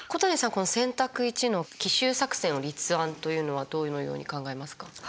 この選択１の「奇襲作戦を立案」というのはどのように考えますか？